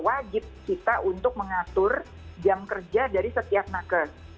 wajib kita untuk mengatur jam kerja dari setiap nakes